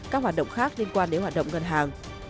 các hoạt động khác liên quan đến hoạt động ngân hàng